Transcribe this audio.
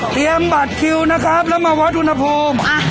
บัตรคิวนะครับแล้วมาวัดอุณหภูมิ